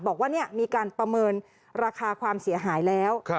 บอกว่ามีการประเมินราคาความเสียหายแล้ว